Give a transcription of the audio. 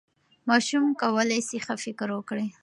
ماشوم کولی سي ښه فکر وکړي.